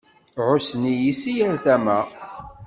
Ɛussen-iyi si yal tama.